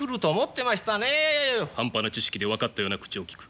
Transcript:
半端な知識で分かったような口をきく。